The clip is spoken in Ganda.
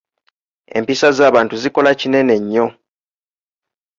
Empisa z’abantu zikola kinene nnyo.